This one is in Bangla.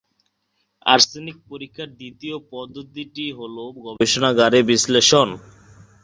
আর্সেনিক পরীক্ষার দ্বিতীয় পদ্ধতিটি হলো গবেষণাগারের বিশ্লেষণ।